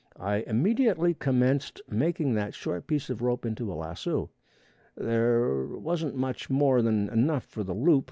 I immediately commenced making that short piece of rope into a lasso. There wasn't much more than enough for the loop.